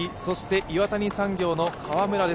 岩谷産業の川村です。